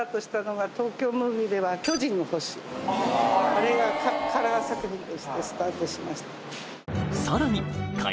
あれはカラー作品としてスタートしました。